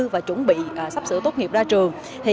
và chuẩn bị sắp sửa tốt nghiệp ra trường